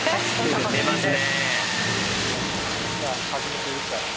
出ますね。